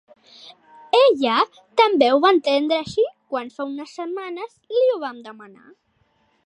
Ella també ho va entendre així quan fa unes setmanes li ho vam demanar.